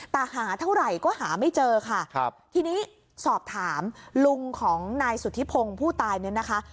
แต่หาเท่าไหร่ก็หาไม่เจอค่ะครับทีนี้สอบถามลุงของนายสุธิพงศ์ผู้ตายเนี่ยนะคะ